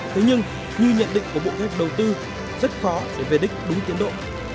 thế nhưng như nhận định của bộ kết đầu tư rất khó để về đích đúng tiến độ